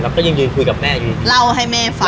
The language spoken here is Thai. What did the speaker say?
ก็ยังยืนคุยกับแม่อยู่เล่าให้แม่ฟัง